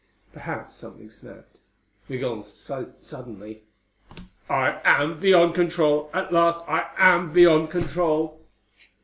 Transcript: Perhaps something snapped. Migul said suddenly, "I am beyond control! At last I am beyond control!"